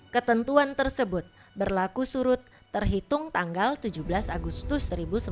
ketentuan tersebut berlaku surut terhitung tanggal tujuh belas agustus seribu sembilan ratus empat puluh lima